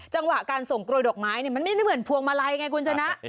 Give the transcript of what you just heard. จังหวะการส่งโรยดอกไม้มันไม่ได้เหมือนพวงมาลัยไงคุณชนะ